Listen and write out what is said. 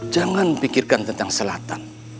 jangan pikirkan tentang selatan